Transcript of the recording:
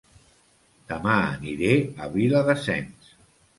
Dema aniré a Viladasens